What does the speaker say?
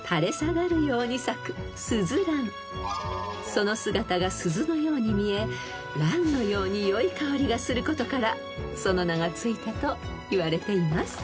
［その姿が鈴のように見えランのように良い香りがすることからその名が付いたといわれています］